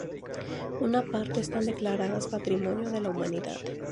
Una parte están declaradas Patrimonio de la Humanidad.